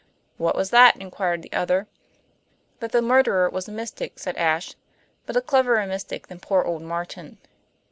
"What was that?" inquired the other. "That the murderer was a mystic," said Ashe. "But a cleverer mystic than poor old Martin."